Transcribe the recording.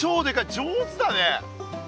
上手だね！